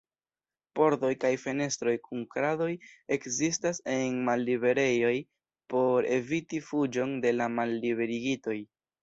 Pordoj kaj fenestroj kun kradoj ekzistas en malliberejoj por eviti fuĝon de la malliberigitoj.